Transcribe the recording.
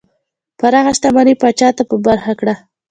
پراخه شتمنۍ پاچا ته په برخه کړه.